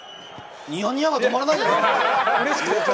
ニヤニヤが止まらないじゃないですか！